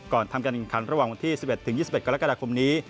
ทำการแข่งขันระหว่างวันที่๑๑๒๑กรกฎาคมนี้